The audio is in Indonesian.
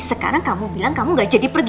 sekarang kamu bilang kamu gak jadi pergi